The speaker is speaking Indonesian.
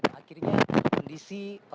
dan akhirnya berkondisi